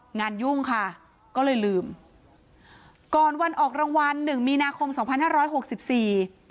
ยุ่งค่ะก็เลยลืมก่อนวันออกรางวัลหนึ่งมีนาคมสองพันห้าร้อยหกสิบสี่